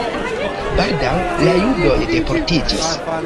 Baldaŭ la judoj deportiĝis.